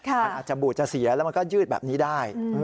มันอาจจะบูดจะเสียแล้วมันก็ยืดแบบนี้ได้